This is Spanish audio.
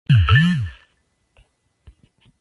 Inflorescencias en panículas delgadas terminales y axilares.